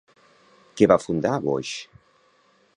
Què va fundar Boix?